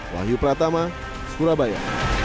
wahyu pratama surabaya